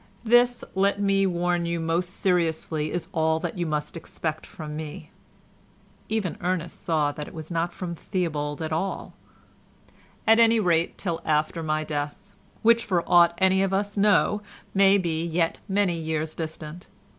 "This, let me warn you most seriously, is all that you must expect from me (even Ernest saw that it was not from Theobald at all) at any rate till after my death, which for aught any of us know may be yet many years distant.